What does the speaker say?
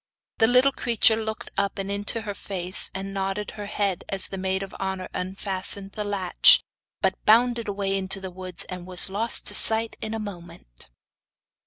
The little creature looked up and into her face, and nodded her head as the maid of honour unfastened the latch, but bounded away into the woods, and was lost to sight in a moment.